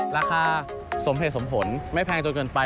ราคาสมเหตุสมผลไม่แพงจนเกินไป